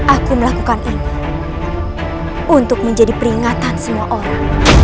aku melakukan ini untuk menjadi peringatan semua orang